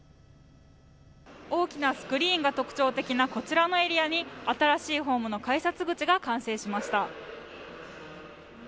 大きなスクリーンが特徴的なこちらのエリアに新しいホームの改札口が完成しました。